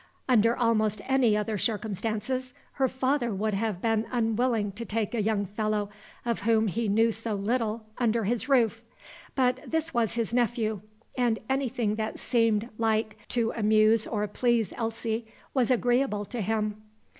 Under almost any other circumstances, her father would have been unwilling to take a young fellow of whom he knew so little under his roof; but this was his nephew, and anything that seemed like to amuse or please Elsie was agreeable to him.